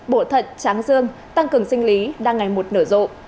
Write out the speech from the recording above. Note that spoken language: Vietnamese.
bổ thận tráng dương tăng cường sinh lý đang ngày một nở rộ